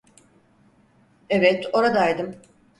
Evet, oradaydım.